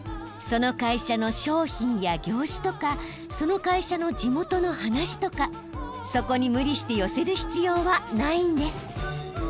その会社の商品や業種とかその会社の地元の話とかそこに無理して寄せる必要はないんです。